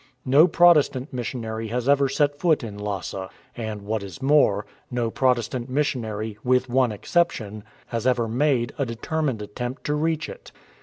No Protestant missionary has ever set foot in Lhasa, and what is more, no Protestant missionary, with one exception, has ever made a determined attempt to reach it.